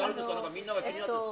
みんなが気になってて。